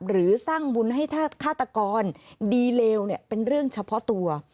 หรือสร้างบุญให้ฆาตกรดีเลวเป็นเรื่องเฉพาะตัว